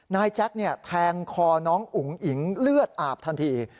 แจ็คแทงคอน้องอุ๋งอิ๋งเลือดอาบทันที